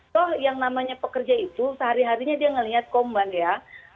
so yang namanya pekerja itu sehari harinya dia melihat komban ya